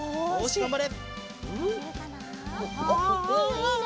がんばれ。